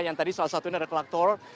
yang tadi salah satunya ada kerak telur